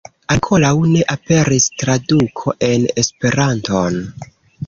Ankoraŭ ne aperis traduko en Esperanton.